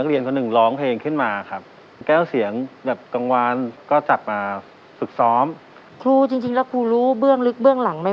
ครูจริงแล้วครูรู้เบื้องลึกเบื้องหลังไหม